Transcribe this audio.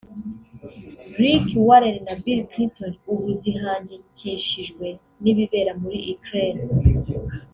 Rick Warren na Bill Clinton) ubu zihangikishijwe n’ibibera muri Ukraine